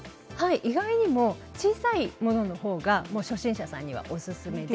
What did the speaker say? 意外にも小さいものの方が初心者さんにはおすすめで